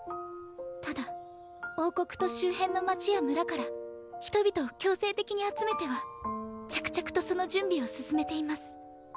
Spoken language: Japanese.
ただ王国と周辺の町や村から人々を強制的に集めては着々とその準備を進めています。